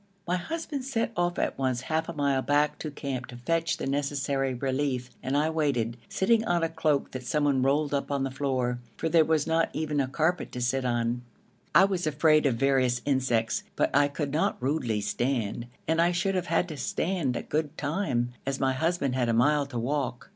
My husband set off at once half a mile back to camp to fetch the necessary relief and I waited, sitting on a cloak that someone rolled up on the floor, for there was not even a carpet to sit on. I was afraid of various insects, but I could not rudely stand, and I should have had to stand a good time as my husband had a mile to walk.